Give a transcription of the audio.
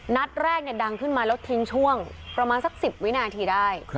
นัดแรกเนี่ยดังขึ้นมาลดทิ้งช่วงประมาณสักสิบวินาทีได้